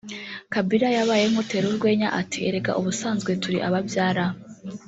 Kabila yabaye nk’utera urwenya ati “Erega ubusanzwe turi ababyara